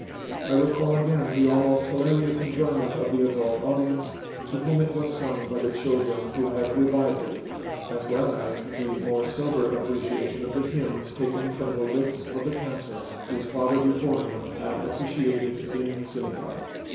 I recall again the almost hilarious enjoyment of the adult audience to whom it was sung by the children who had revived it, as well as the more sober appreciation of the hymns taken from the lips of the cantor, whose father before him had officiated in the synagogue.